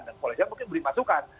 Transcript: dan polisian mungkin beri masukan